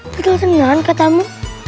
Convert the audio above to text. gak tenang katamu